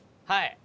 はい！